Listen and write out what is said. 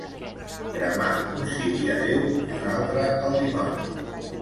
Cremar un ciri a Déu i un altre al dimoni.